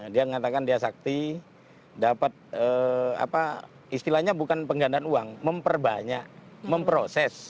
dia mengatakan dia sakti dapat apa istilahnya bukan penggandaan uang memperbanyak memproses